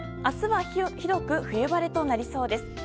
明日は広く冬晴れとなりそうです。